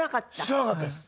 知らなかったです。